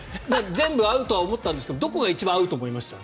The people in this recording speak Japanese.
全部合うとは思ったんですがどこが一番合うと思いました？